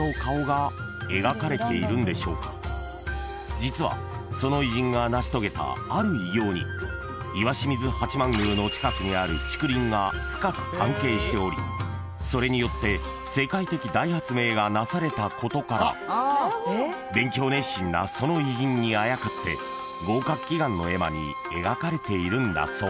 ［実はその偉人が成し遂げたある偉業に石清水八幡宮の近くにある竹林が深く関係しておりそれによって世界的大発明がなされたことから勉強熱心なその偉人にあやかって合格祈願の絵馬に描かれているんだそう］